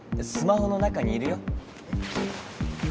スマホの中にいるよ。